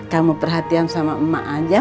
kamu perhatian sama emak aja